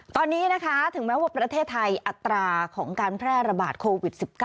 ตอนนี้นะคะถึงแม้ว่าประเทศไทยอัตราของการแพร่ระบาดโควิด๑๙